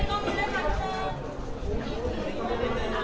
สวัสดีค่ะ